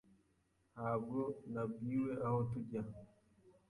Ntabwo nabwiwe aho tujya.